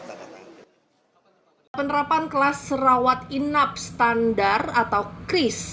penerapan kelas rawat inap standar atau kris